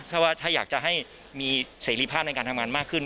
ถ้าว่าถ้าอยากจะให้มีเสรีภาพในการทำงานมากขึ้น